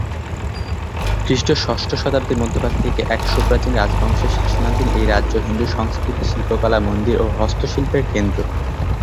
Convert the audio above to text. খ্রিষ্টীয় ষষ্ঠ শতাব্দীর মধ্যভাগ থেকে এক সুপ্রাচীন রাজবংশের শাসনাধীন এই রাজ্য হিন্দু সংস্কৃতি, শিল্পকলা, মন্দির ও হস্তশিল্পের কেন্দ্র।